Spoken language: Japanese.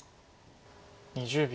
２０秒。